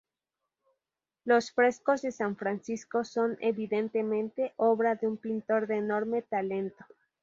Los frescos de San Francisco son, evidentemente, obra de un pintor de enorme talento.